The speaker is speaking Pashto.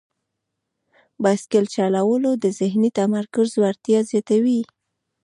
بایسکل چلول د ذهني تمرکز وړتیا زیاتوي.